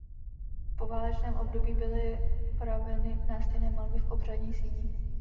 V poválečném období byly opraveny nástěnné malby v obřadní síni.